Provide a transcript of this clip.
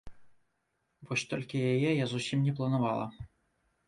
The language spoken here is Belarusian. Вось толькі яе я зусім не планавала.